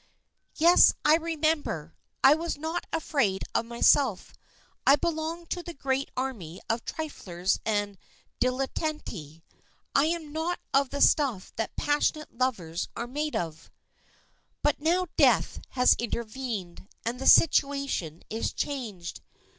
"Yes, I remember. I was not afraid of myself. I belong to the great army of triflers and dilettanti I am not of the stuff that passionate lovers are made of." "But now Death has intervened, and the situation is changed.